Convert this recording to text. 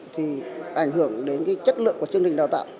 thì ảnh hưởng đến cái chất lượng của chương trình đào tạo